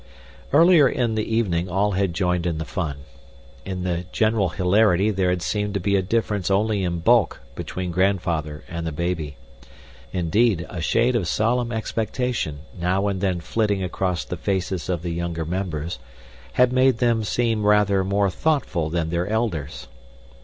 Earlier in the evening all had joined in the fun. In the general hilarity there had seemed to be a difference only in bulk between grandfather and the baby. Indeed, a shade of solemn expectation, now and then flitting across the faces of the younger members, had made them seem rather more thoughtful than their elders.